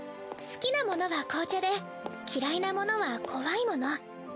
好きなものは紅茶で嫌いなものは怖いもの。